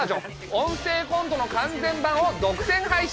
「音声コント」の完全版を独占配信。